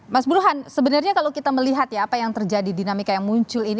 mas burhan sebenarnya kalau kita melihat ya apa yang terjadi dinamika yang muncul ini